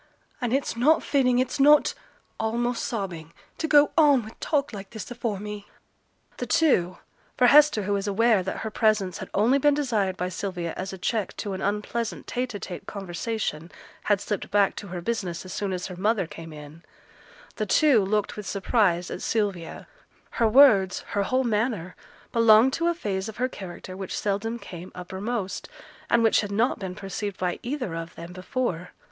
And it's not fitting, it's not' (almost sobbing), 'to go on wi' talk like this afore me.' The two for Hester, who was aware that her presence had only been desired by Sylvia as a check to an unpleasant tete a tete conversation, had slipped back to her business as soon as her mother came in the two looked with surprise at Sylvia; her words, her whole manner, belonged to a phase of her character which seldom came uppermost, and which had not been perceived by either of them before.